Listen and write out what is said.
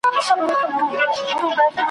زه پاچا یم د ځنګله د ښکرورو ,